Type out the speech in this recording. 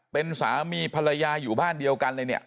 เป็นสามีภรรยาอยู่บ้านเดียวกันเลยเนี่ย